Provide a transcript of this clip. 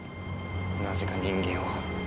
なぜか人間を。